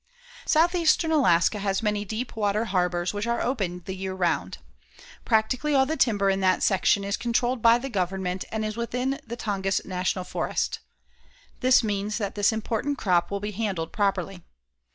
Southeastern Alaska has many deep water harbors which are open the year round. Practically all the timber in that section is controlled by the Government and is within the Tongass National Forest. This means that this important crop will be handled properly.